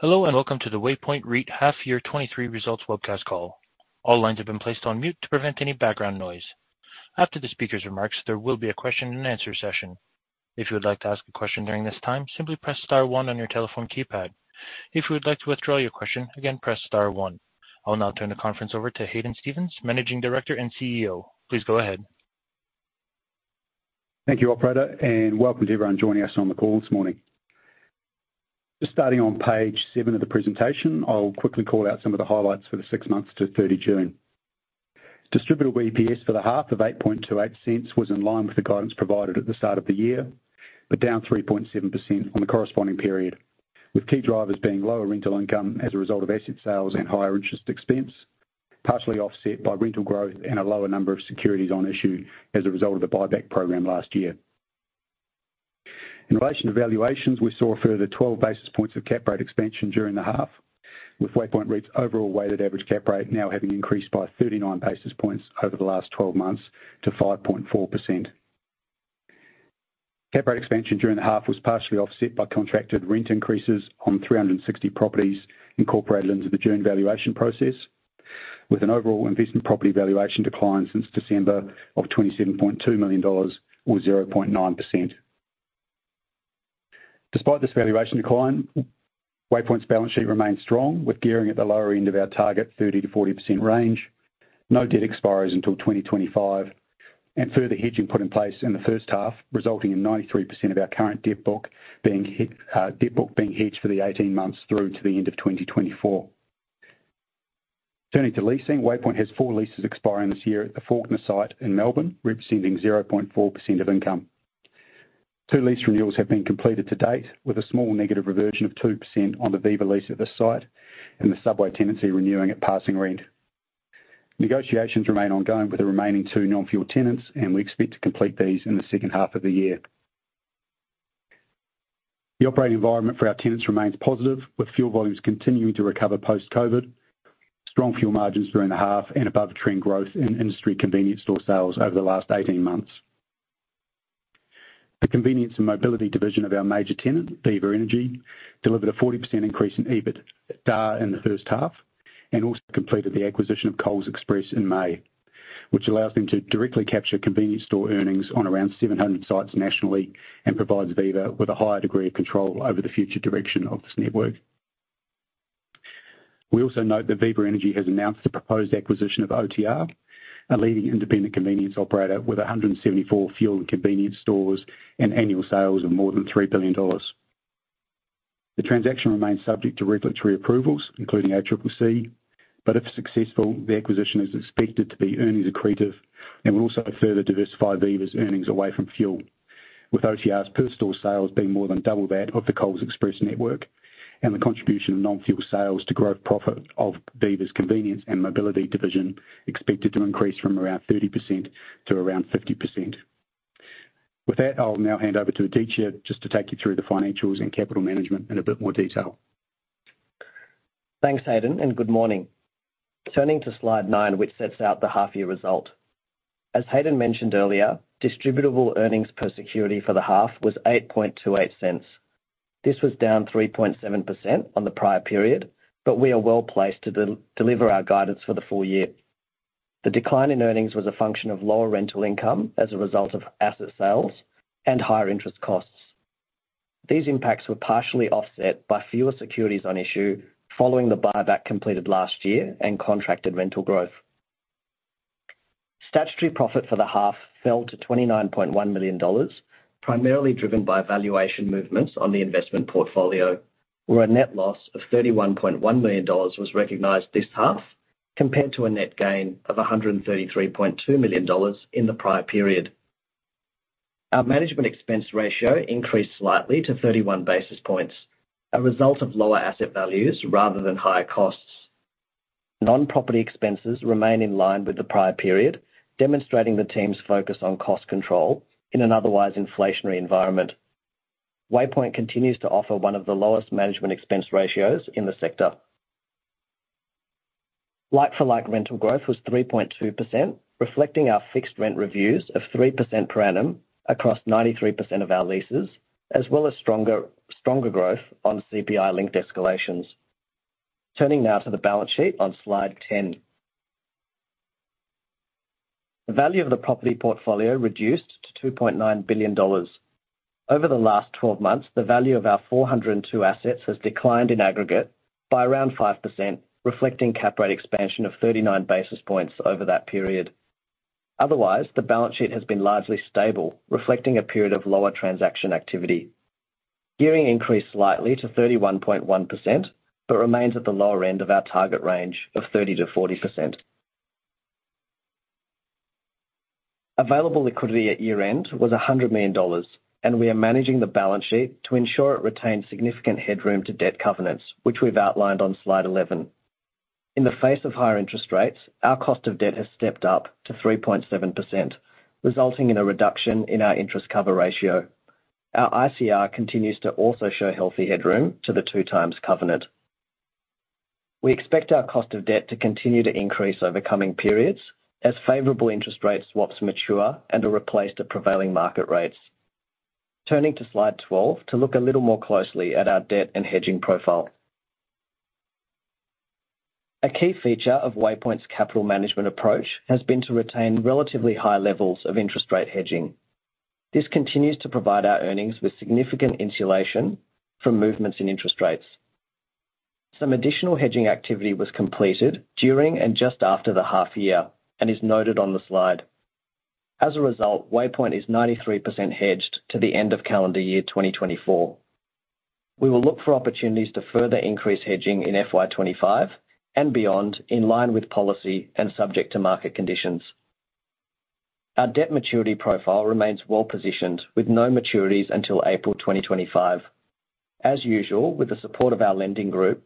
Hello, and welcome to the Waypoint REIT Half Year 2023 Results webcast call. All lines have been placed on mute to prevent any background noise. After the speaker's remarks, there will be a question and answer session. If you would like to ask a question during this time, simply press star one on your telephone keypad. If you would like to withdraw your question, again, press star one. I'll now turn the conference over to Hayden Stephens, Managing Director and CEO. Please go ahead. Thank you, operator, and welcome to everyone joining us on the call this morning. Just starting on page seven of the presentation, I'll quickly call out some of the highlights for the six months to 30th June. Distributable EPS for the half of 0.0828 was in line with the guidance provided at the start of the year, but down 3.7% on the corresponding period, with key drivers being lower rental income as a result of asset sales and higher interest expense, partially offset by rental growth and a lower number of securities on issue as a result of the buyback program last year. In relation to valuations, we saw a further 12 basis points of cap rate expansion during the half, with Waypoint REIT's overall weighted average cap rate now having increased by 39 basis points over the last 12 months to 5.4%. Cap rate expansion during the half was partially offset by contracted rent increases on 360 properties incorporated into the June valuation process, with an overall investment property valuation decline since December of 27.2 million dollars or 0.9%. Despite this valuation decline, Waypoint's balance sheet remains strong, with gearing at the lower end of our target, 30%-40% range. No debt expires until 2025, and further hedging put in place in the first half, resulting in 93% of our current debt book being hit, debt book being hedged for the 18 months through to the end of 2024. Turning to leasing, Waypoint has 4 leases expiring this year at the Fawkner site in Melbourne, representing 0.4% of income. Two lease renewals have been completed to date, with a small negative reversion of 2% on the Viva lease at this site and the Subway tenancy renewing at passing rent. Negotiations remain ongoing with the remaining two non-fuel tenants, and we expect to complete these in the second half of the year. The operating environment for our tenants remains positive, with fuel volumes continuing to recover post-COVID, strong fuel margins during the half, and above-trend growth in industry convenience store sales over the last 18 months. The convenience and mobility division of our major tenant, Viva Energy, delivered a 40% increase in EBITDA in the first half and also completed the acquisition of Coles Express in May, which allows them to directly capture convenience store earnings on around 700 sites nationally and provides Viva with a higher degree of control over the future direction of this network. We also note that Viva Energy has announced the proposed acquisition of OTR, a leading independent convenience operator with 174 fuel and convenience stores and annual sales of more than 3 billion dollars. The transaction remains subject to regulatory approvals, including ACCC, but if successful, the acquisition is expected to be earnings accretive and will also further diversify Viva's earnings away from fuel, with OTR's per store sales being more than double that of the Coles Express network, and the contribution of non-fuel sales to gross profit of Viva's convenience and mobility division expected to increase from around 30% to around 50%. With that, I'll now hand over to Aditya just to take you through the financials and capital management in a bit more detail. Thanks, Hayden, and good morning. Turning to slide nine, which sets out the half year result. As Hayden mentioned earlier, distributable earnings per security for the half was 0.0828. This was down 3.7% on the prior period, but we are well placed to deliver our guidance for the full year. The decline in earnings was a function of lower rental income as a result of asset sales and higher interest costs. These impacts were partially offset by fewer securities on issue following the buyback completed last year and contracted rental growth. Statutory profit for the half fell to 29.1 million dollars, primarily driven by valuation movements on the investment portfolio, where a net loss of 31.1 million dollars was recognized this half, compared to a net gain of 133.2 million dollars in the prior period. Our management expense ratio increased slightly to 31 basis points, a result of lower asset values rather than higher costs. Non-property expenses remain in line with the prior period, demonstrating the team's focus on cost control in an otherwise inflationary environment. Waypoint continues to offer one of the lowest management expense ratios in the sector. Like for like rental growth was 3.2%, reflecting our fixed rent reviews of 3% per annum across 93% of our leases, as well as stronger growth on CPI-linked escalations. Turning now to the balance sheet on slide 10. The value of the property portfolio reduced to 2.9 billion dollars. Over the last 12 months, the value of our 402 assets has declined in aggregate by around 5%, reflecting cap rate expansion of 39 basis points over that period. Otherwise, the balance sheet has been largely stable, reflecting a period of lower transaction activity. Gearing increased slightly to 31.1%, but remains at the lower end of our target range of 30%-40%. Available liquidity at year-end was 100 million dollars, and we are managing the balance sheet to ensure it retains significant headroom to debt covenants, which we've outlined on slide 11. In the face of higher interest rates, our cost of debt has stepped up to 3.7%, resulting in a reduction in our interest cover ratio. Our ICR continues to also show healthy headroom to the two times covenant. We expect our cost of debt to continue to increase over coming periods, as favorable interest rate swaps mature and are replaced at prevailing market rates. Turning to slide 12, to look a little more closely at our debt and hedging profile. A key feature of Waypoint's capital management approach has been to retain relatively high levels of interest rate hedging. This continues to provide our earnings with significant insulation from movements in interest rates. Some additional hedging activity was completed during and just after the half year, and is noted on the slide. As a result, Waypoint is 93% hedged to the end of calendar year 2024. We will look for opportunities to further increase hedging in FY 2025 and beyond, in line with policy and subject to market conditions. Our debt maturity profile remains well positioned, with no maturities until April 2025. As usual, with the support of our lending group,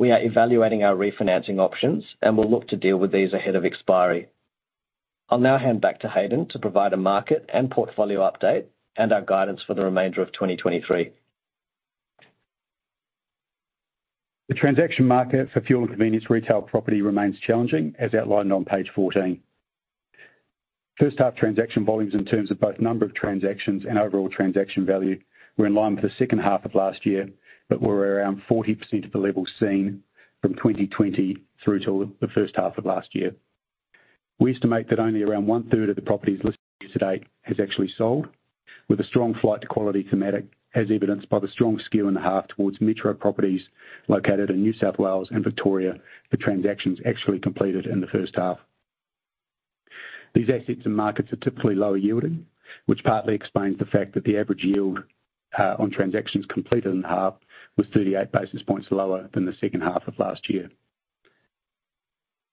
we are evaluating our refinancing options, and we'll look to deal with these ahead of expiry. I'll now hand back to Hayden to provide a market and portfolio update and our guidance for the remainder of 2023. The transaction market for fuel and convenience retail property remains challenging, as outlined on page 14. First half transaction volumes in terms of both number of transactions and overall transaction value were in line with the second half of last year, but were around 40% of the levels seen from 2020 through to the first half of last year. We estimate that only around one third of the properties listed to date has actually sold, with a strong flight to quality thematic, as evidenced by the strong skew in the half towards metro properties located in New South Wales and Victoria, for transactions actually completed in the first half. These assets and markets are typically lower yielding, which partly explains the fact that the average yield on transactions completed in the half was 38 basis points lower than the second half of last year.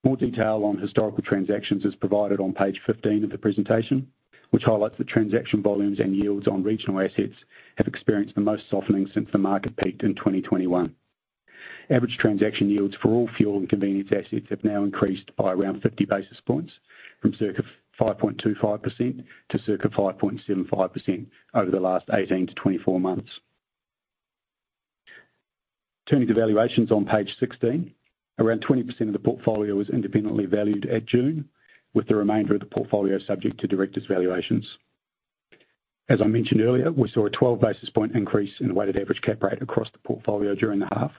More detail on historical transactions is provided on page 15 of the presentation, which highlights the transaction volumes and yields on regional assets have experienced the most softening since the market peaked in 2021. Average transaction yields for all fuel and convenience assets have now increased by around 50 basis points, from circa 5.25% to circa 5.75% over the last 18-24 months. Turning to valuations on page 16. Around 20% of the portfolio was independently valued at June, with the remainder of the portfolio subject to directors' valuations. As I mentioned earlier, we saw a 12 basis point increase in the weighted average cap rate across the portfolio during the half,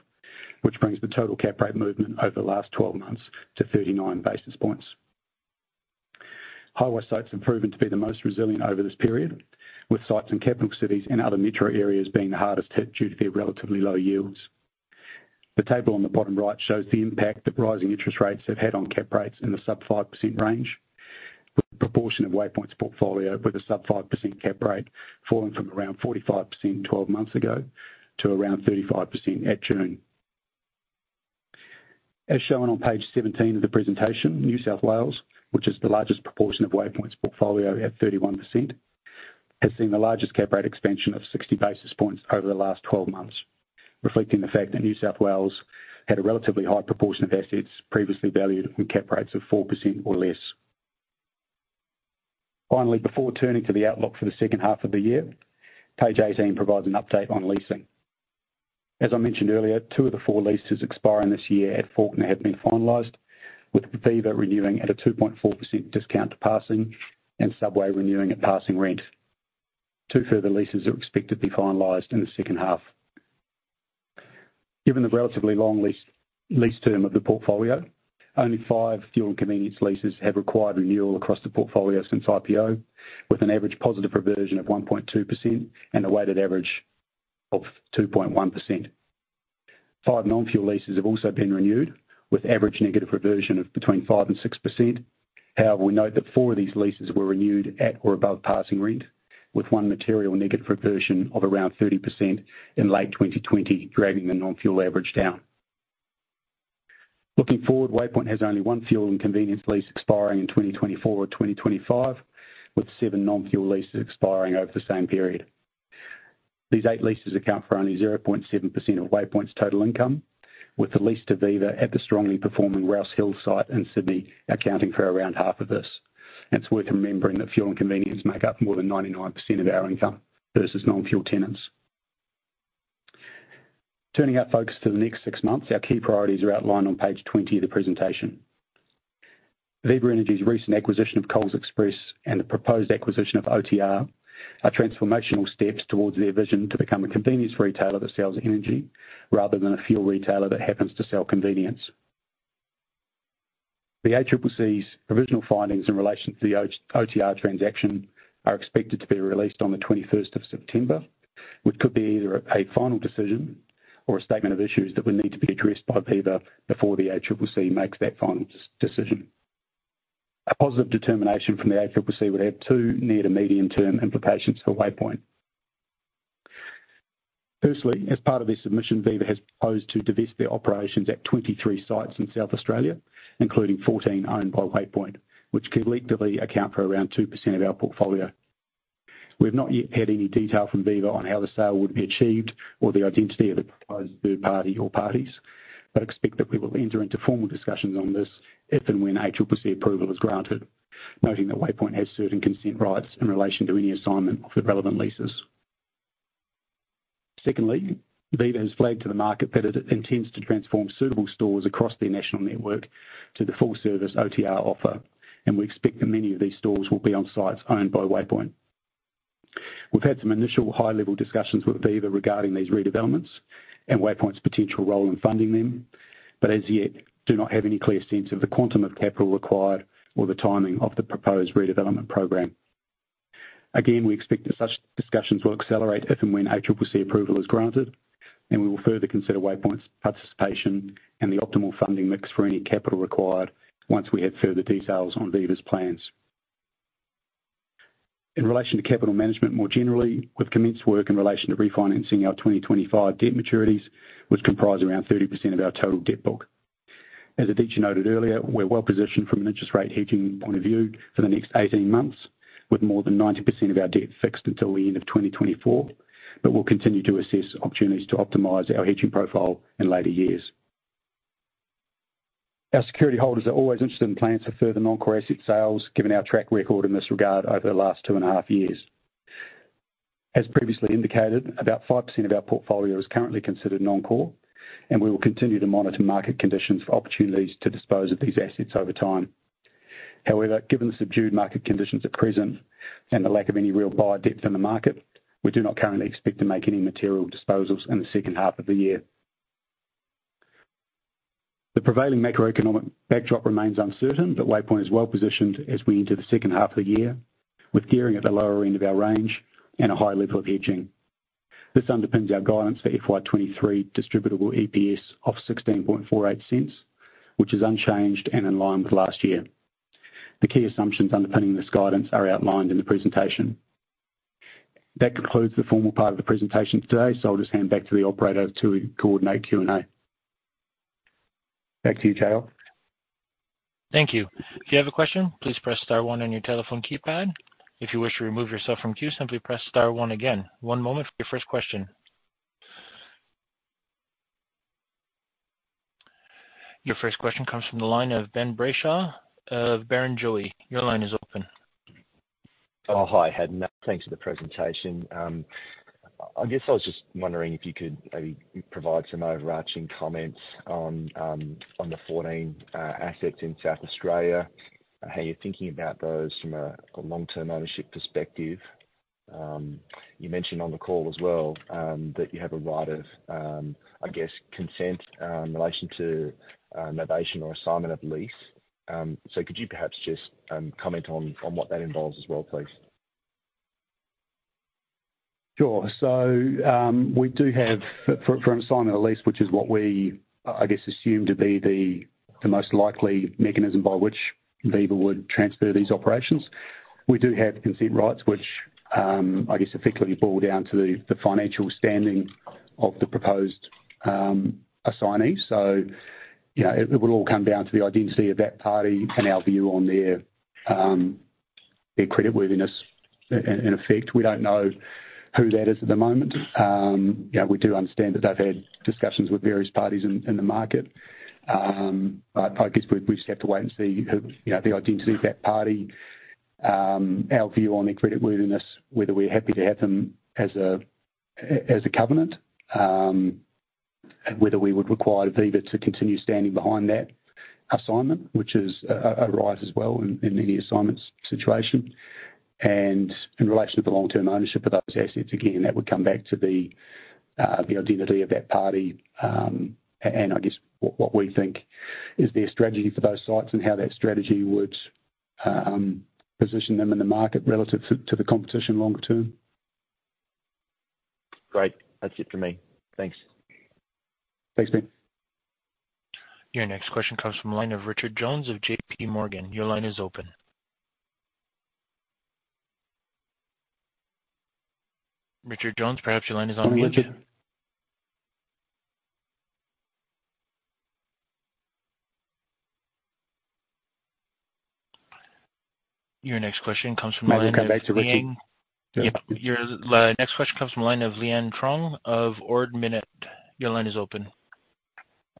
which brings the total cap rate movement over the last 12 months to 39 basis points. Highway sites have proven to be the most resilient over this period, with sites in capital cities and other metro areas being the hardest hit due to their relatively low yields. The table on the bottom right shows the impact that rising interest rates have had on cap rates in the sub-5% range, with the proportion of Waypoint's portfolio with a sub-5% cap rate falling from around 45% 12 months ago to around 35% at June. As shown on page 17 of the presentation, New South Wales, which is the largest proportion of Waypoint's portfolio at 31%, has seen the largest cap rate expansion of 60 basis points over the last 12 months, reflecting the fact that New South Wales had a relatively high proportion of assets previously valued with cap rates of 4% or less. Finally, before turning to the outlook for the second half of the year, page 18 provides an update on leasing. As I mentioned earlier, 2 of the 4 leases expiring this year at Fawkner have been finalized, with Viva renewing at a 2.4% discount to passing and Subway renewing at passing rent. Two further leases are expected to be finalized in the second half. Given the relatively long lease, lease term of the portfolio, only 5 fuel and convenience leases have required renewal across the portfolio since IPO, with an average positive reversion of 1.2% and a weighted average of 2.1%. 5 non-fuel leases have also been renewed, with average negative reversion of between 5% and 6%. However, we note that 4 of these leases were renewed at or above passing rent, with one material negative reversion of around 30% in late 2020, dragging the non-fuel average down. Looking forward, Waypoint has only one fuel and convenience lease expiring in 2024 or 2025, with 7 non-fuel leases expiring over the same period. These 8 leases account for only 0.7% of Waypoint's total income, with the lease to Viva at the strongly performing Rouse Hill site in Sydney, accounting for around half of this. And it's worth remembering that fuel and convenience make up more than 99% of our income versus non-fuel tenants. Turning our focus to the next six months, our key priorities are outlined on page 20 of the presentation. Viva Energy's recent acquisition of Coles Express and the proposed acquisition of OTR are transformational steps towards their vision to become a convenience retailer that sells energy, rather than a fuel retailer that happens to sell convenience. The ACCC's provisional findings in relation to the OTR transaction are expected to be released on the 21st of September, which could be either a final decision or a statement of issues that would need to be addressed by Viva before the ACCC makes that final decision. A positive determination from the ACCC would have two near- to medium-term implications for Waypoint. Firstly, as part of this submission, Viva has proposed to divest their operations at 23 sites in South Australia, including 14 owned by Waypoint, which could collectively account for around 2% of our portfolio. We've not yet had any detail from Viva on how the sale would be achieved or the identity of the proposed third party or parties, but expect that we will enter into formal discussions on this if and when ACCC approval is granted, noting that Waypoint has certain consent rights in relation to any assignment of the relevant leases. Secondly, Viva has flagged to the market that it intends to transform suitable stores across the national network to the full-service OTR offer, and we expect that many of these stores will be on sites owned by Waypoint. We've had some initial high-level discussions with Viva regarding these redevelopments and Waypoint's potential role in funding them, but as yet, do not have any clear sense of the quantum of capital required or the timing of the proposed redevelopment program. Again, we expect that such discussions will accelerate if and when ACCC approval is granted, and we will further consider Waypoint's participation and the optimal funding mix for any capital required once we have further details on Viva's plans. In relation to capital management, more generally, we've commenced work in relation to refinancing our 2025 debt maturities, which comprise around 30% of our total debt book. As Aditya noted earlier, we're well positioned from an interest rate hedging point of view for the next 18 months, with more than 90% of our debt fixed until the end of 2024. But we'll continue to assess opportunities to optimize our hedging profile in later years. Our security holders are always interested in plans for further non-core asset sales, given our track record in this regard over the last 2.5 years. As previously indicated, about 5% of our portfolio is currently considered non-core, and we will continue to monitor market conditions for opportunities to dispose of these assets over time. However, given the subdued market conditions at present and the lack of any real buyer depth in the market, we do not currently expect to make any material disposals in the second half of the year. The prevailing macroeconomic backdrop remains uncertain, but Waypoint is well positioned as we enter the second half of the year, with gearing at the lower end of our range and a high level of hedging. This underpins our guidance for FY 2023 distributable EPS of 0.1648, which is unchanged and in line with last year. The key assumptions underpinning this guidance are outlined in the presentation. That concludes the formal part of the presentation today, so I'll just hand back to the operator to coordinate Q&A. Back to you, Kyle. Thank you. If you have a question, please press star one on your telephone keypad. If you wish to remove yourself from queue, simply press star one again. One moment for your first question. Your first question comes from the line of Ben Brayshaw of Barrenjoey. Your line is open. Oh, hi, Hayden. Thanks for the presentation. I guess I was just wondering if you could maybe provide some overarching comments on, on the 14 assets in South Australia, how you're thinking about those from a long-term ownership perspective. You mentioned on the call as well, that you have a right of, I guess, consent, in relation to, novation or assignment of lease. So could you perhaps just, comment on, on what that involves as well, please? Sure. So, we do have, for an assignment at least, which is what we, I guess, assume to be the most likely mechanism by which Viva would transfer these operations. We do have consent rights, which, I guess, effectively boil down to the financial standing of the proposed assignee. So, you know, it will all come down to the identity of that party and our view on their creditworthiness. In effect, we don't know who that is at the moment. You know, we do understand that they've had discussions with various parties in the market. I guess we just have to wait and see who, you know, the identity of that party, our view on their creditworthiness, whether we're happy to have them as a covenant, whether we would require Viva to continue standing behind that assignment, which is a rise as well in many assignments situation. And in relation to the long-term ownership of those assets, again, that would come back to the identity of that party, and I guess what we think is their strategy for those sites and how that strategy would position them in the market relative to the competition long term. Great. That's it for me. Thanks. Thanks, Ben. Your next question comes from the line of Richard Jones of JP Morgan. Your line is open. Richard Jones, perhaps your line is on mute. Richard? Your next question comes from the line of, May come back to Richard. Yep. Your next question comes from the line of Leanne Truong of Ord Minnett. Your line is open.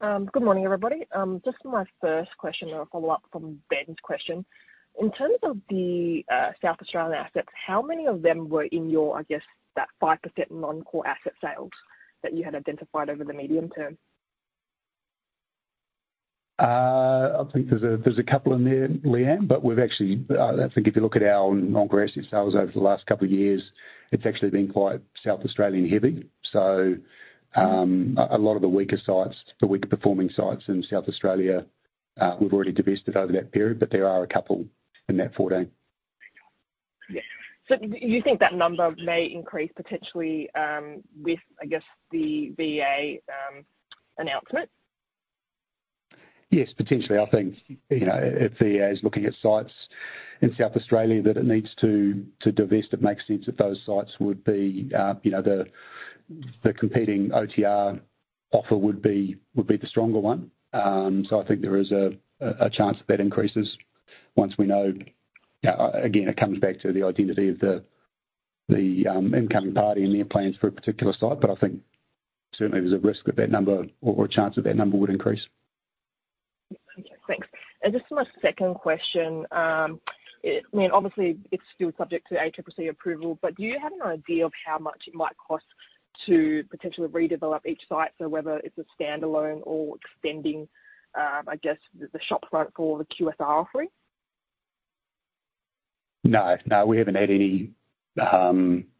Good morning, everybody. Just for my first question, a follow-up from Ben's question. In terms of the South Australian assets, how many of them were in your, I guess, that 5% non-core asset sales that you had identified over the medium term? I think there's a couple in there, Leanne, but we've actually, I think if you look at our non-core asset sales over the last couple of years, it's actually been quite South Australian-heavy. So, a lot of the weaker sites, the weaker-performing sites in South Australia, we've already divested over that period, but there are a couple in that 14. Yeah. So do you think that number may increase potentially with, I guess, the VA announcement? Yes, potentially. I think, you know, if VA is looking at sites in South Australia that it needs to divest, it makes sense that those sites would be, you know, the competing OTR offer would be the stronger one. So I think there is a chance that increases once we know... Again, it comes back to the identity of the incoming party and their plans for a particular site, but I think certainly there's a risk that that number or a chance that that number would increase. Thanks. And just on a second question, I mean, obviously, it's still subject to ACCC approval, but do you have an idea of how much it might cost to potentially redevelop each site? So whether it's a standalone or extending, I guess, the shop front for the QSR offering. No, no, we haven't had any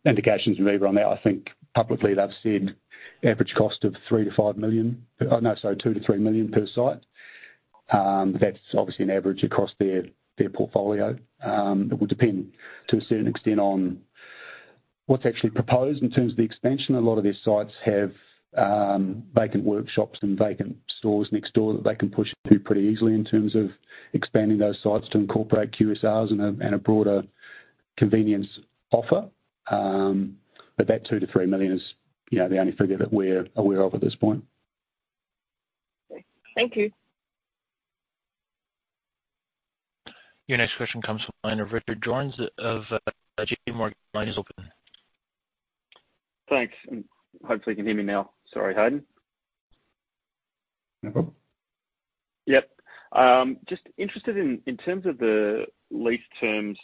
indications from Viva on that. I think publicly, they've said average cost of 3 million-5 million, no, sorry, 2 million-3 million per site. That's obviously an average across their portfolio. It will depend to a certain extent on what's actually proposed in terms of the expansion. A lot of their sites have vacant workshops and vacant stores next door that they can push through pretty easily in terms of expanding those sites to incorporate QSRs and a broader convenience offer. But that 2 million-3 million is, you know, the only figure that we're aware of at this point. Thank you. Your next question comes from the line of Richard Jones of JP Morgan. Line is open. Thanks, and hopefully you can hear me now. Sorry, Hayden. No problem. Yep. Just interested in, in terms of the lease terms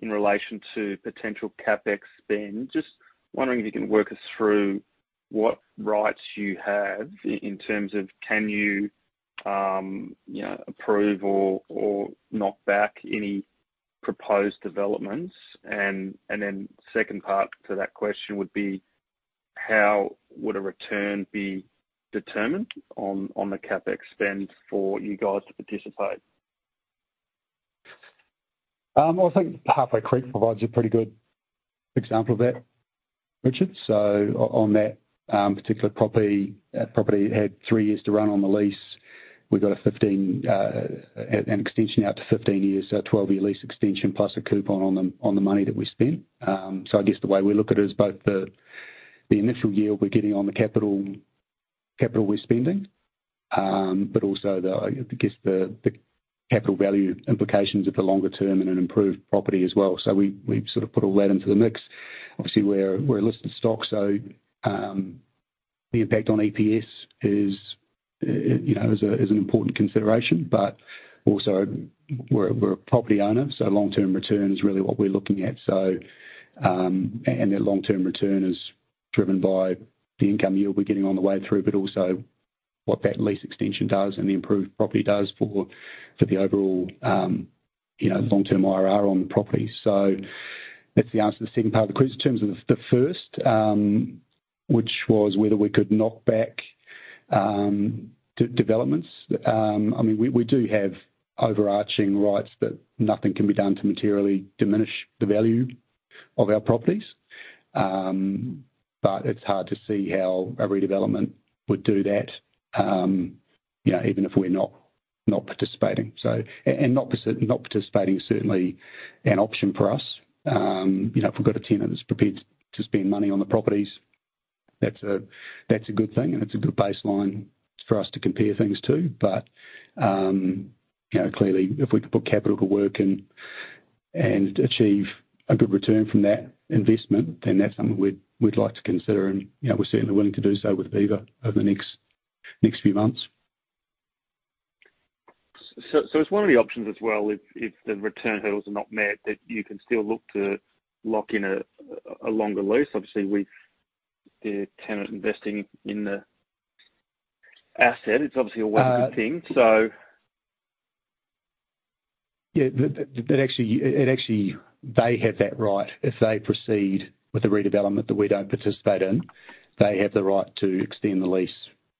in relation to potential CapEx spend, just wondering if you can work us through what rights you have in terms of can you, you know, approve or knock back any proposed developments. And then second part to that question would be: How would a return be determined on the CapEx spend for you guys to participate? I think Halfway Creek provides a pretty good example of that, Richard. So on that particular property, that property had three years to run on the lease. We got a 15, an extension out to 15 years, so a 12-year lease extension, plus a coupon on the money that we spent. So I guess the way we look at it is both the initial yield we're getting on the capital we're spending, but also the capital value implications of the longer term and an improved property as well. So we sort of put all that into the mix. Obviously, we're a listed stock, so the impact on EPS is, you know, an important consideration, but also we're a property owner, so long-term return is really what we're looking at. So, and the long-term return is driven by the income yield we're getting on the way through, but also what that lease extension does and the improved property does for the overall, you know, long-term IRR on the property. So that's the answer to the second part of the question. In terms of the first, which was whether we could knock back developments, I mean, we do have overarching rights, but nothing can be done to materially diminish the value of our properties. But it's hard to see how a redevelopment would do that, you know, even if we're not participating. So and not participating is certainly an option for us. You know, if we've got a tenant that's prepared to spend money on the properties, that's a good thing, and it's a good baseline for us to compare things to. But, you know, clearly, if we can put capital to work and achieve a good return from that investment, then that's something we'd like to consider, and, you know, we're certainly willing to do so with Viva over the next few months. So, it's one of the options as well, if the return hurdles are not met, that you can still look to lock in a longer lease. Obviously, with the tenant investing in the asset, it's obviously a welcome thing. So- Yeah, that actually, it actually they have that right. If they proceed with the redevelopment that we don't participate in, they have the right to extend the lease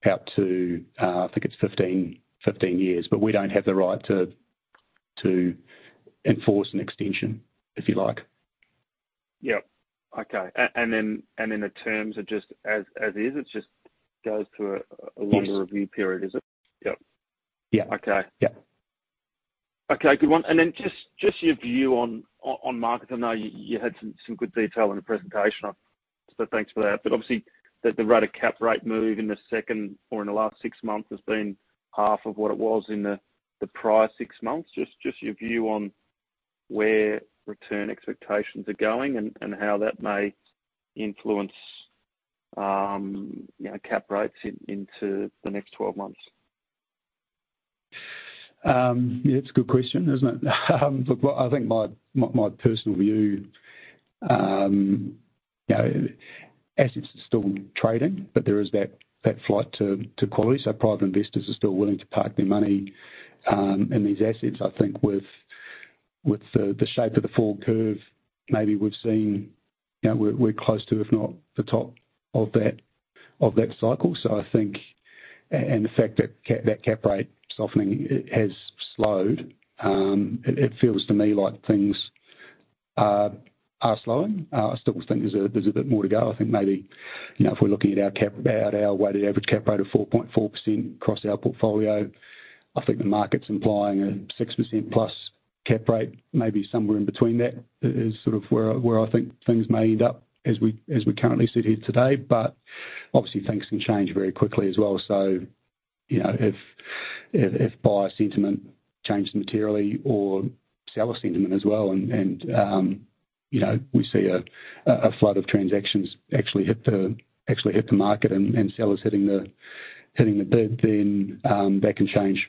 out to, I think it's 15, 15 years, but we don't have the right to enforce an extension, if you like. Yep. Okay. And then the terms are just as is? It just goes through a- Yes Longer review period, is it? Yep. Yeah. Okay. Yeah. Okay, good one. And then just your view on markets. I know you had some good detail in the presentation, so thanks for that. But obviously, the rate of cap rate move in the second or in the last six months has been half of what it was in the prior six months. Just your view on where return expectations are going and how that may influence, you know, cap rates into the next 12 months. Yeah, it's a good question, isn't it? Look, well, I think my personal view, you know, assets are still trading, but there is that flight to quality. So private investors are still willing to park their money in these assets. I think with the shape of the forward curve, maybe we've seen, you know, we're close to, if not the top of that cycle. So I think, and the fact that cap rate softening has slowed, it feels to me like things are slowing. I still think there's a bit more to go. I think maybe, you know, if we're looking at our weighted average cap rate of 4.4% across our portfolio, I think the market's implying a 6%+ cap rate, maybe somewhere in between that is sort of where I think things may end up as we currently sit here today, but obviously, things can change very quickly as well. So, you know, if buyer sentiment changes materially or seller sentiment as well, and, you know, we see a flood of transactions actually hit the market and sellers hitting the bid, then, that can change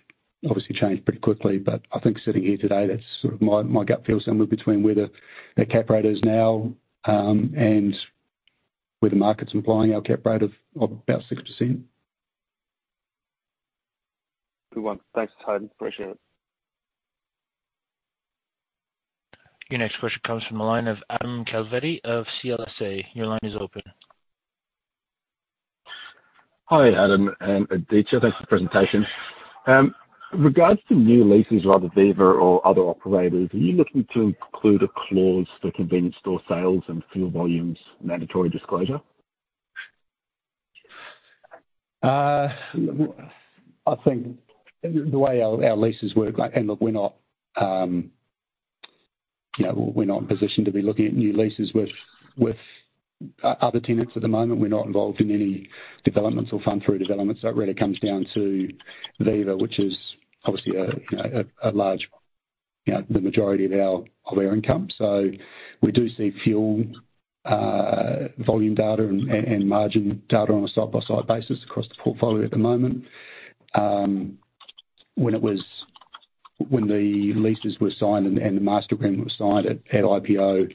obviously pretty quickly. But I think sitting here today, that's sort of my gut feel, somewhere between where the cap rate is now, and where the market's implying our cap rate of about 6%. Good one. Thanks, Hayden. Appreciate it. Your next question comes from the line of Adam Calverleyi of CLSA. Your line is open. Hi, Adam and Aditya. Thanks for the presentation. Regards to new leases, rather Viva or other operators, are you looking to include a clause for convenience store sales and fuel volumes, mandatory disclosure? I think the way our leases work, and look, we're not, you know, we're not positioned to be looking at new leases with other tenants at the moment. We're not involved in any developments or fund through developments. So it really comes down to Viva, which is obviously a, you know, a large, you know, the majority of our income. So we do see fuel volume data and margin data on a site-by-site basis across the portfolio at the moment. When the leases were signed and the master agreement was signed at IPO,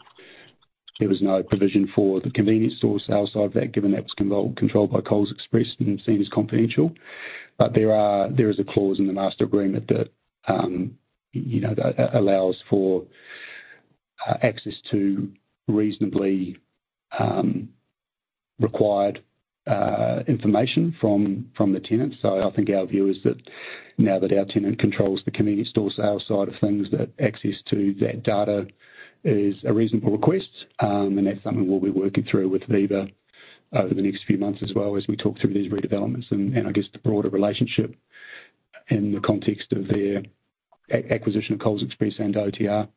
there was no provision for the convenience store sales side of that, given that was controlled by Coles Express and seen as confidential. But there is a clause in the master agreement that, you know, that allows for access to reasonably required information from the tenants. So I think our view is that now that our tenant controls the convenience store sale side of things, that access to that data is a reasonable request, and that's something we'll be working through with Viva over the next few months as well as we talk through these redevelopments and I guess the broader relationship in the context of their acquisition of Coles Express and OTR.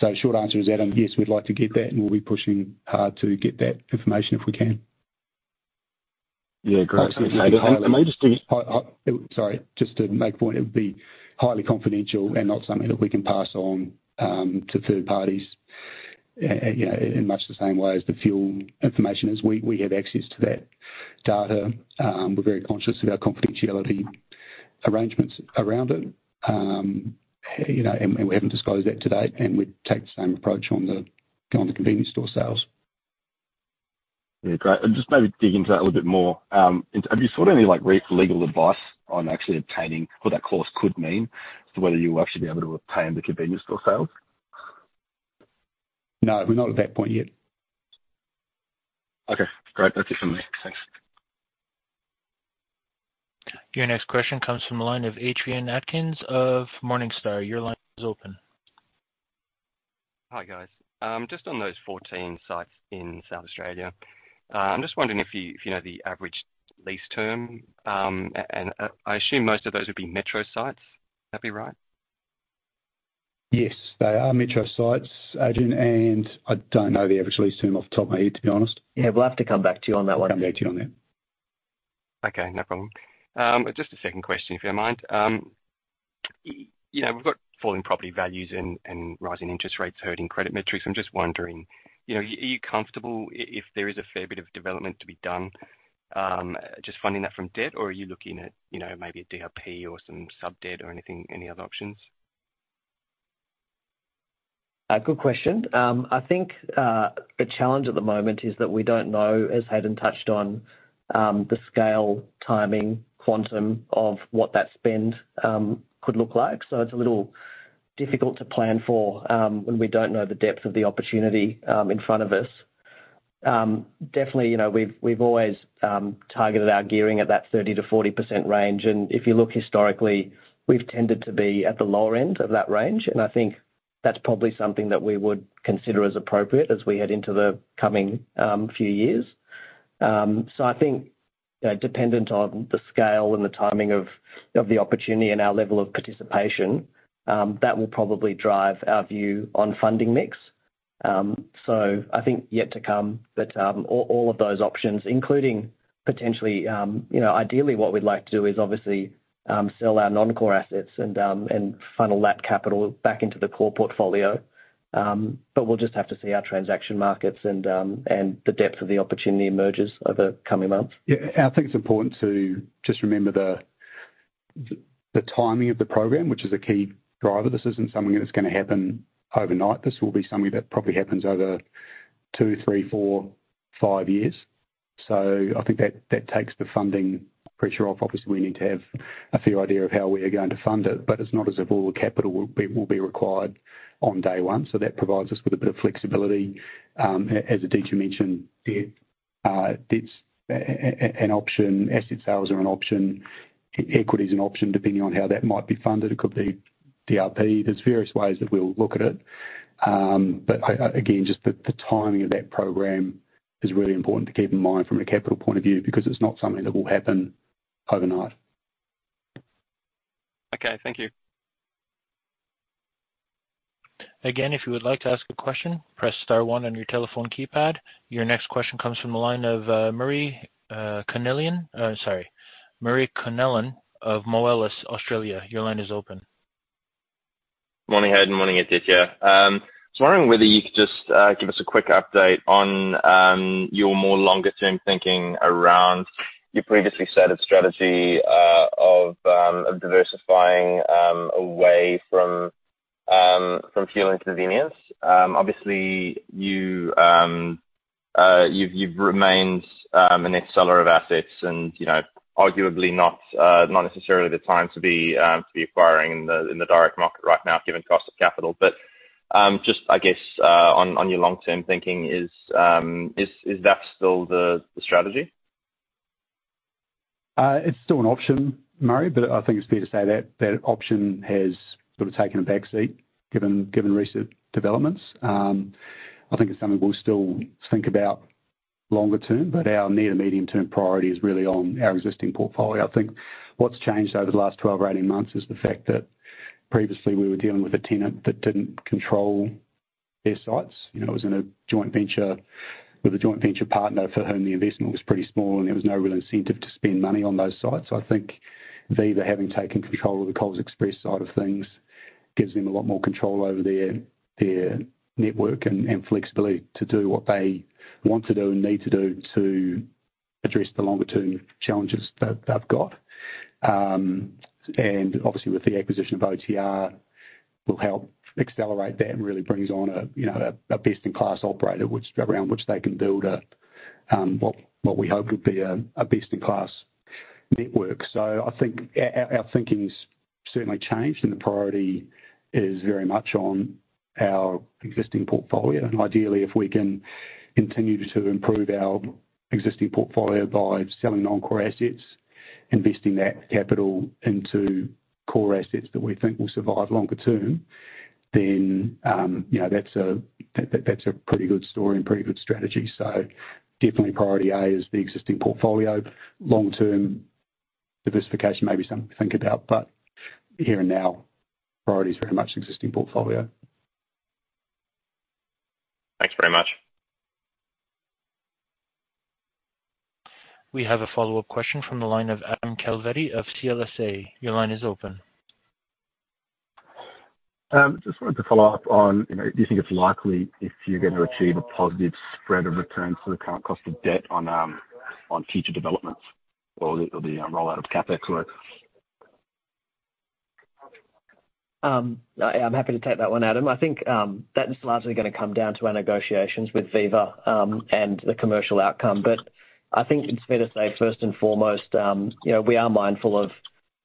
So short answer is, Adam, yes, we'd like to get that, and we'll be pushing hard to get that information if we can. Yeah, great. Can I just- Sorry, just to make a point, it would be highly confidential and not something that we can pass on to third parties, you know, in much the same way as the fuel information is. We have access to that data. We're very conscious of our confidentiality arrangements around it, you know, and we haven't disclosed that to date, and we'd take the same approach on the convenience store sales. Yeah, great. And just maybe dig into that a little bit more. Have you sought any, like, legal advice on actually obtaining what that clause could mean to whether you will actually be able to obtain the convenience store sales? No, we're not at that point yet. Okay, great. That's it for me. Thanks. Your next question comes from the line of Adrian Atkins of Morningstar. Your line is open. Hi, guys. Just on those 14 sites in South Australia, I'm just wondering if you, if you know the average lease term, and I, I assume most of those would be metro sites. That'd be right? Yes, they are metro sites, Adrian, and I don't know the average lease term off the top of my head, to be honest. Yeah, we'll have to come back to you on that one. Come back to you on that. Okay, no problem. Just a second question, if you don't mind. You know, we've got falling property values and, and rising interest rates hurting credit metrics. I'm just wondering, you know, are you comfortable if there is a fair bit of development to be done, just funding that from debt, or are you looking at, you know, maybe a DRP or some sub debt or anything, any other options? Good question. I think, the challenge at the moment is that we don't know, as Hayden touched on, the scale, timing, quantum of what that spend could look like. So it's a little difficult to plan for, when we don't know the depth of the opportunity in front of us. Definitely, you know, we've, we've always targeted our gearing at that 30%-40% range, and if you look historically, we've tended to be at the lower end of that range, and I think that's probably something that we would consider as appropriate as we head into the coming few years. So I think, you know, dependent on the scale and the timing of, of the opportunity and our level of participation, that will probably drive our view on funding mix. So I think yet to come, but, all, all of those options, including potentially, you know, ideally what we'd like to do is obviously, sell our non-core assets and, and funnel that capital back into the core portfolio. But we'll just have to see how transaction markets and, and the depth of the opportunity emerges over the coming months. Yeah, I think it's important to just remember the timing of the program, which is a key driver. This isn't something that's gonna happen overnight. This will be something that probably happens over 2, 3, 4, 5 years. So I think that takes the funding pressure off. Obviously, we need to have a fair idea of how we are going to fund it, but it's not as if all the capital will be required on day one. So that provides us with a bit of flexibility, as Aditya mentioned, debt's an option, asset sales are an option, equity is an option, depending on how that might be funded. It could be DRP. There's various ways that we'll look at it. But I, again, just the timing of that program is really important to keep in mind from a capital point of view, because it's not something that will happen overnight. Okay, thank you. Again, if you would like to ask a question, press star one on your telephone keypad. Your next question comes from the line of Murray Connellan of Moelis Australia. Your line is open. Morning, Hayden. Morning, Aditya. I was wondering whether you could just give us a quick update on your more longer term thinking around your previously stated strategy of diversifying away from fuel and convenience. Obviously, you've remained a net seller of assets and, you know, arguably not necessarily the time to be acquiring in the direct market right now, given cost of capital. But just, I guess, on your long-term thinking, is that still the strategy? It's still an option, Murray, but I think it's fair to say that that option has sort of taken a backseat given recent developments. I think it's something we'll still think about longer term, but our near and medium-term priority is really on our existing portfolio. I think what's changed over the last 12 or 18 months is the fact that previously we were dealing with a tenant that didn't control their sites. You know, it was in a joint venture with a joint venture partner for whom the investment was pretty small, and there was no real incentive to spend money on those sites. I think Viva having taken control of the Coles Express side of things gives them a lot more control over their network and flexibility to do what they want to do and need to do to address the longer-term challenges that they've got. And obviously, with the acquisition of OTR, will help accelerate that and really brings on a, you know, a best-in-class operator, which around which they can build a, what we hope would be a best-in-class network. So I think our thinking's certainly changed, and the priority is very much on our existing portfolio. And ideally, if we can continue to improve our existing portfolio by selling non-core assets, investing that capital into core assets that we think will survive longer term, then, you know, that's a pretty good story and pretty good strategy. Definitely priority A is the existing portfolio. Long-term diversification may be something to think about, but here and now, priority is very much existing portfolio. Thanks very much. We have a follow-up question from the line of Adam Calveri of CLSA. Your line is open. Just wanted to follow up on, you know, do you think it's likely if you're going to achieve a positive spread of returns for the current cost of debt on, on future developments or the, or the rollout of CapEx work? I'm happy to take that one, Adam. I think that is largely gonna come down to our negotiations with Viva, and the commercial outcome. But I think it's fair to say, first and foremost, you know, we are mindful of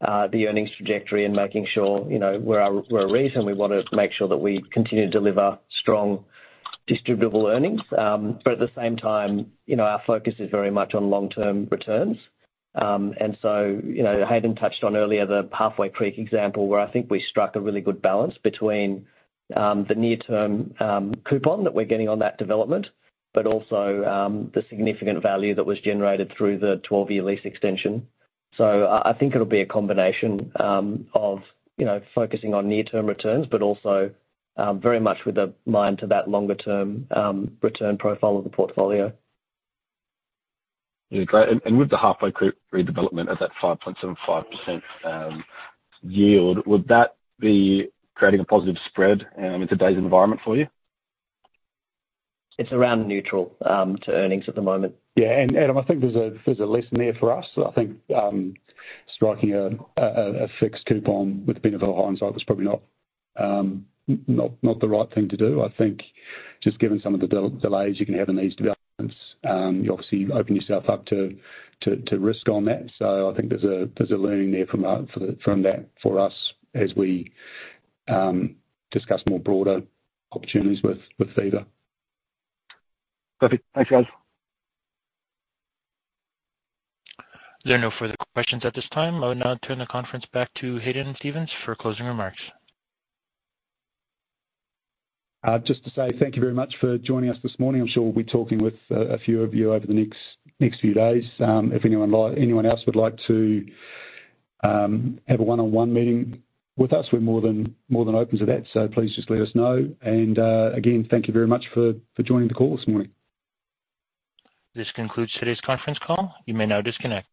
the earnings trajectory and making sure, you know, we're a REIT, and we want to make sure that we continue to deliver strong distributable earnings. But at the same time, you know, our focus is very much on long-term returns. And so, you know, Hayden touched on earlier the Halfway Creek example, where I think we struck a really good balance between the near-term coupon that we're getting on that development, but also the significant value that was generated through the 12-year lease extension. So, I think it'll be a combination of, you know, focusing on near-term returns, but also very much with a mind to that longer-term return profile of the portfolio. Yeah, great. And with the Halfway Creek redevelopment at that 5.75% yield, would that be creating a positive spread in today's environment for you? It's around neutral to earnings at the moment. Yeah, and Adam, I think there's a lesson there for us. I think striking a fixed coupon with the benefit of hindsight was probably not the right thing to do. I think just given some of the delays you can have in these developments, you obviously open yourself up to risk on that. So I think there's a learning there from that for us as we discuss more broader opportunities with Viva. Perfect. Thanks, guys. There are no further questions at this time. I will now turn the conference back to Hayden Stephens for closing remarks. Just to say thank you very much for joining us this morning. I'm sure we'll be talking with a few of you over the next few days. If anyone like anyone else would like to have a one-on-one meeting with us, we're more than open to that, so please just let us know. Again, thank you very much for joining the call this morning. This concludes today's conference call. You may now disconnect.